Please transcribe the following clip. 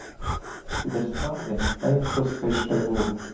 Підеш спати та й проспиш тривогу.